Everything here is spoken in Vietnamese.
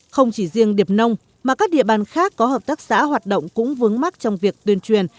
không chỉ riêng điệp nông mà các địa bàn khác có hợp tác xã hoạt động cũng vướng mắt trong việc tuyên truyền